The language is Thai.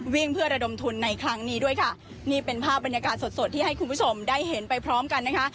วิ่งเพื่อระดมทุนในครั้งนี้ด้วยค่ะนี่เป็นภาพบรรยากาศสดสดที่ให้คุณผู้ชมได้เห็นไปพร้อมกันนะคะ